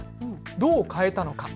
どう変えたのか。